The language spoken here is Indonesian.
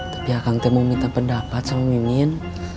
tapi akang teh mau minta pendapat sama mimin